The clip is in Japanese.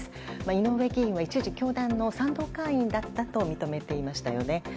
井上議員は一時教団の賛同会員だったと認めていましたよね。